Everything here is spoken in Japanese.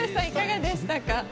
いかがでしたか？